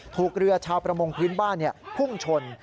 ถูกเรือชาวประมงพื้นบ้านพุ่งชน